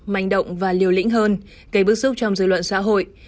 mạnh động và liều lĩnh hơn gây bức xúc trong dự luận xã hội